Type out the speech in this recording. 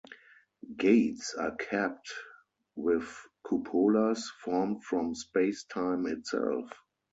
Gates are capped with cupolas formed from Space-time itself.